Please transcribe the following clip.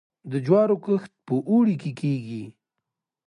د جوارو کښت په اوړي کې کیږي.